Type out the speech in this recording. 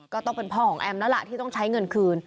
ก็เป็นพ่อของแอมแล้วล่ะที่ต้องใช้เงินคืน